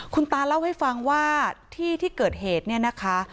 คุณตาเล่าให้ฟังว่าที่ที่เกิดเหตุเนี่ยนะคะ